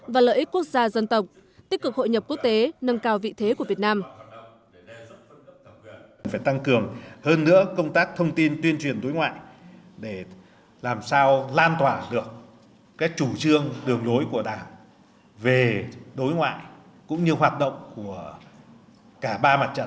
và lợi ích quốc gia dân tộc tích cực hội nhập quốc tế nâng cao vị thế của việt nam